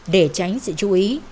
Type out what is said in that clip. để tránh sự chú ý